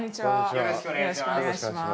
よろしくお願いします。